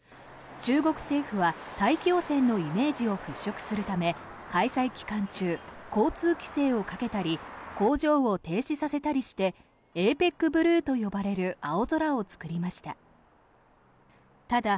中国政府は大気汚染のイメージを払しょくするため開催期間中、交通規制をかけたり工場を停止させたりしてＡＰＥＣブルーと呼ばれる青空を作りました。